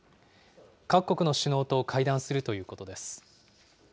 各国の首脳と会談するということです。